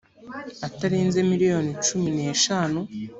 atarenze miliyoni cumi n eshanu